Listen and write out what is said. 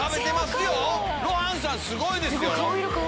すごいです。